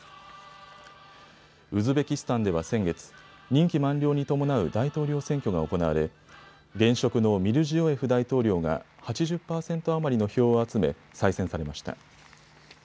ウズベキスタンでは先月、任期満了に伴う大統領選挙が行われ現職のミルジヨエフ大統領が８０％余りの票を集め再選されました。